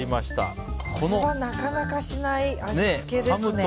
これはなかなかしない味付けですね。